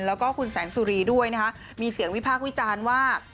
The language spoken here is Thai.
แล้วก็คุณแสงสุรีด้วยนะคะมีเสียงวิพากษ์วิจารณ์ว่า